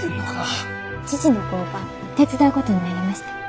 父の工場手伝うことになりました。